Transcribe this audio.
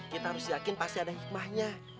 kita harus yakin pasti ada hikmahnya